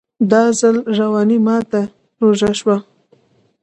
دا ځل رواني ماته ژوره شوه